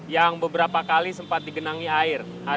yang beberapa kali sempat digenangi air